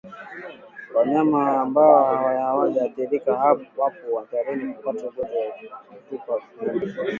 Wanyama ambao hawajaathirika wapo hatarini kupata ugonjwa wa kutupa mimba